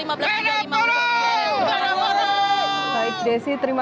benar buruh benar buruh